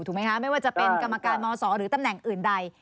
ไหมคะไม่ว่าจะเป็นกรรมการมศหรือตำแหน่งอื่นใด